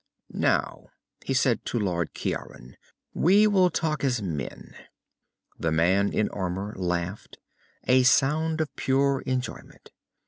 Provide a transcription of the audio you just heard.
"Now," he said to the Lord Ciaran, "will we talk as men?" The man in armor laughed, a sound of pure enjoyment.